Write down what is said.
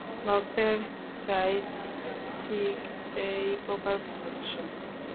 ভক্তের চাই ঠিক এই প্রকার ভালবাসা।